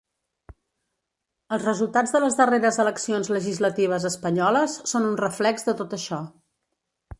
Els resultats de les darreres eleccions legislatives espanyoles són un reflex de tot això.